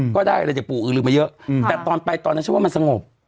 ก็ได้อะไรจากปู่อือลืมมาเยอะแต่ตอนไปตอนนั้นฉันว่ามันสงบ